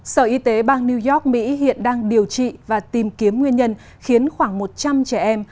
sở y tế bang new york mỹ hiện đang điều trị và tìm kiếm nguyên nhân khiến khoảng một trăm linh trẻ em